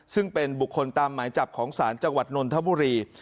ซึ่งเป็นบุคคลตามหมายจับของศาลจังหวัดนนทบุรี